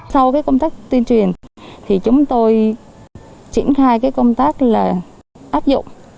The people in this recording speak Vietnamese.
sau công tác tuyên truyền thì chúng tôi triển khai công tác áp dụng